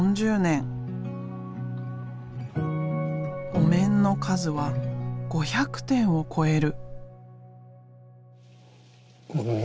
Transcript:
お面の数は５００点を超える。